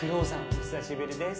お久しぶりです。